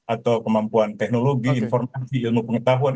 atau kemampuan teknologi informasi ilmu pengetahuan